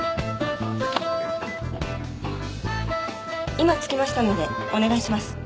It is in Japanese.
今着きましたのでお願いします。